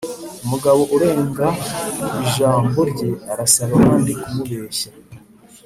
umugabo urenga ku ijambo rye arasaba abandi kumubeshya